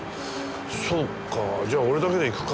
そうかじゃあ俺だけで行くか。